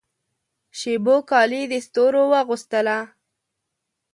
شېبو کالي د ستورو واغوستله